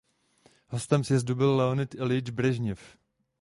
Hostem sjezdu byl Leonid Iljič Brežněv.